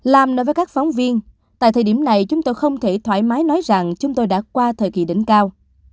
làm được với các phóng viên tại thời điểm này chúng tôi không thể thoải mái nói rằng chúng tôi đã qua thời kỳ đỉnh cao